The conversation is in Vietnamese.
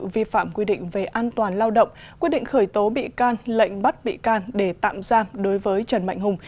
vi phạm quy định về an toàn lao động quyết định khởi tố bị can lệnh bắt bị can để tạm giam đối với trần mạnh hùng